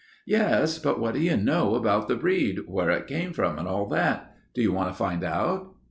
"Yes, but what do you know about the breed, where it came from and all that? Do you want to find out?"